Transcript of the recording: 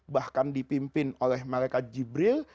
bahkan dipimpin oleh malaikat jibril